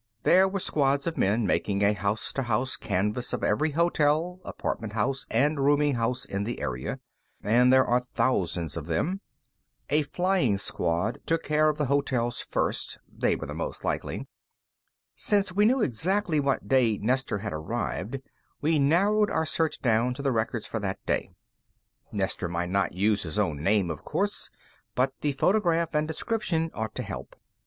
There were squads of men making a house to house canvass of every hotel, apartment house, and rooming house in the area and there are thousands of them. A flying squad took care of the hotels first; they were the most likely. Since we knew exactly what day Nestor had arrived, we narrowed our search down to the records for that day. Nestor might not use his own name; of course, but the photograph and description ought to help.